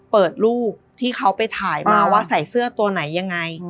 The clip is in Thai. เปิดรูปที่เขาไปถ่ายมาว่าใส่เสื้อตัวไหนยังไง